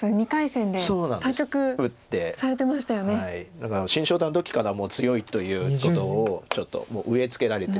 だから新初段の時からもう強いということをちょっともう植え付けられて。